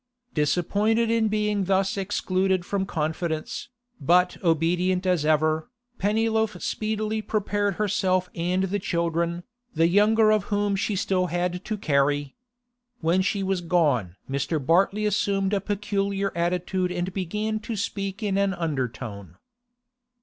Disappointed in being thus excluded from confidence, but obedient as ever, Pennyloaf speedily prepared herself and the children, the younger of whom she still had to carry. When she was gone Mr. Bartley assumed a peculiar attitude and began to speak in an undertone.